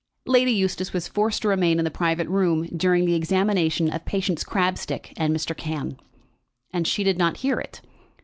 Lady Eustace was forced to remain in the private room during the examination of Patience Crabstick and Mr. Cann; and she did not hear it.